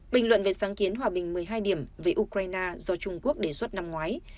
bình luận về sáng kiến hòa bình một mươi hai điểm về ukraine do trung quốc đề xuất năm ngoái